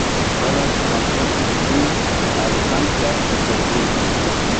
Pallas transportis ĝin al Sankta-Peterburgo.